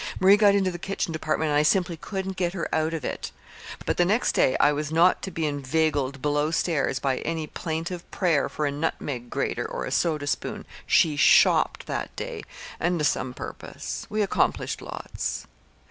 Marie got into the kitchen department and I simply couldn't get her out of it. But the next day I was not to be inveigled below stairs by any plaintive prayer for a nutmeg grater or a soda spoon. She shopped that day, and to some purpose. We accomplished lots."